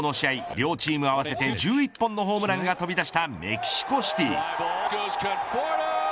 両チーム合わせて１１本のホームランが飛び出したメキシコシティ。